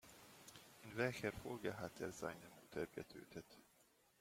In welcher Folge hat er seine Mutter getötet?